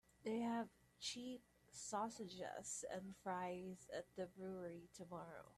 They have cheap sausages and fries at the brewery tomorrow.